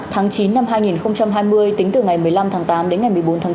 tháng chín năm hai nghìn hai mươi tính từ ngày một mươi năm tháng tám đến ngày một mươi bốn tháng chín